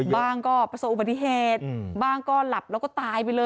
บ้างก็ประสบอุบัติเหตุบ้างก็หลับแล้วก็ตายไปเลย